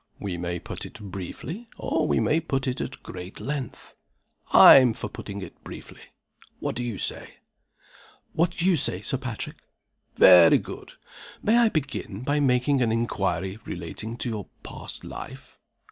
We may put it briefly, or we may put it at great length. I am for putting it briefly. What do you say?" "What you say, Sir Patrick." "Very good. May I begin by making an inquiry relating to your past life?"